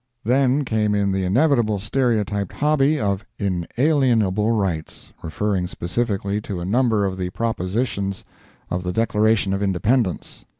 Then came in the inevitable stereotyped hobby of "inalienable rights," referring specifically to a number of the propositions of the Declaration of Independence.